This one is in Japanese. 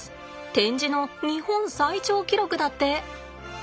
展示の日本最長記録だって。